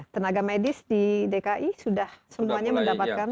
tenaga medis di dki sudah semuanya mendapatkan